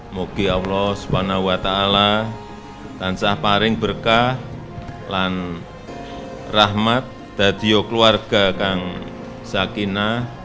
mogi allah subhanahu wa ta'ala tansah paring berkah lan rahmat dadiyo keluarga kang sakinah